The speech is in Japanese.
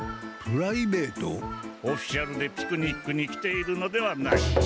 オフィシャルでピクニックに来ているのではない。